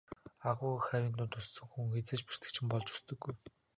Агуу их хайрын дунд өссөн хүн хэзээ ч бэртэгчин болж өсдөггүй.